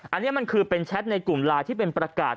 อันนี้มันคือเป็นแชทในกลุ่มไลน์ที่เป็นประกาศ